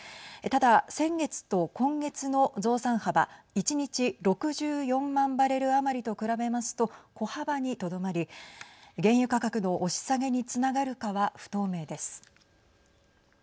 ただ、先月と今月の増産幅１日、６４万バレル余りと比べますと小幅にとどまり原油価格の押し下げにつながるかは不透明です。